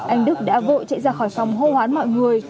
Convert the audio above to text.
anh đức đã vội chạy ra khỏi phòng hô hoán mọi người